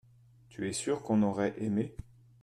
tu es sûr qu'on aurait aimé.